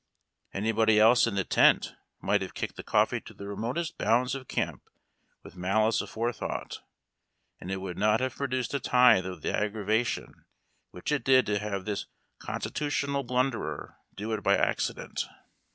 Anybody else in the tent might have kicked the coffee to the remotest bounds of camp with malice afore thought, and it would not have produced a tithe of the aggravation which it did to have this constitutional blun derer do it by accident.